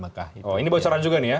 oh ini bocoran juga nih ya